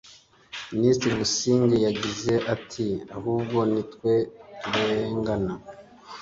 Minisitiri Busingye yagize ati “Ahubwo ni twe turengana